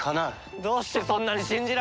どうしてそんなに信じられる！？